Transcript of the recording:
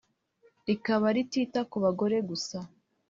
rikaba ritita ku bagore gusa